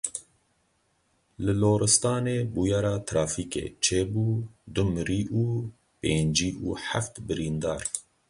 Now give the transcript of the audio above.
Li Loristanê bûyera trafîkê çêbû du mirî û pêncî û heft birîndar.